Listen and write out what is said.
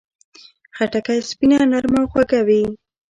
خټکی سپینه، نرمه او خوږه وي.